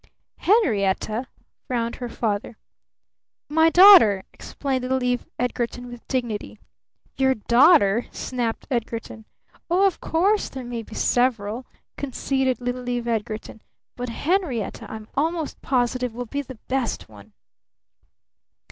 "Henrietta?" frowned her father. "My daughter!" explained little Eve Edgarton with dignity. "Your daughter?" snapped Edgarton. "Oh, of course there may be several," conceded little Eve Edgarton. "But Henrietta, I'm almost positive, will be the best one!"